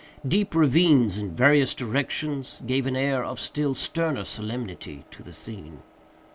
Deep ravines, in various directions, gave an air of still sterner solemnity to the scene.